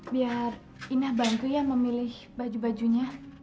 biar indah bantu ya memilih baju bajunya